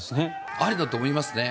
ありだと思いますね。